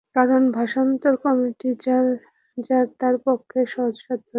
কারণ, ভাষান্তর কর্মটি যার-তার পক্ষে সহজসাধ্য নয়।